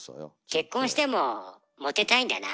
結婚してもモテたいんだな。